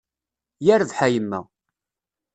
Yerbeḥ a yemma.